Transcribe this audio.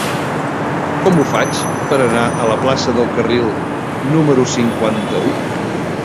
Com ho faig per anar a la plaça del Carril número cinquanta-u?